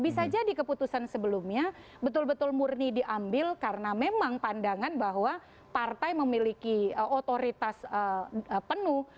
bisa jadi keputusan sebelumnya betul betul murni diambil karena memang pandangan bahwa partai memiliki otoritas penuh